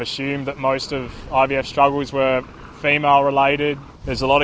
saya menganggap bahwa kemungkinan berjuang ivf adalah berhubungan dengan wanita